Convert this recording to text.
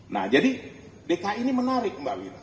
nah jadi dki ini menarik mbak wina